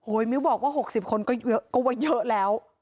โอ้ยมิ้วบอกว่า๖๐คนก็เยอะแล้ว